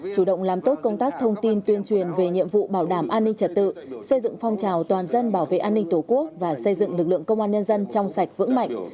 chủ động làm tốt công tác thông tin tuyên truyền về nhiệm vụ bảo đảm an ninh trật tự xây dựng phong trào toàn dân bảo vệ an ninh tổ quốc và xây dựng lực lượng công an nhân dân trong sạch vững mạnh